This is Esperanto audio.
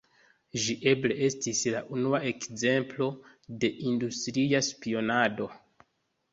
Ĝi eble estis la unua ekzemplo de industria spionado.